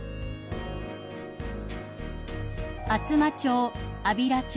［厚真町安平町